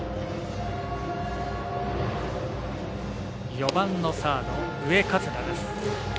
４番のサード、上加世田です。